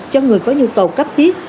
cho người có nhu cầu cấp thiết